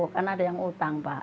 karena ada yang utang pak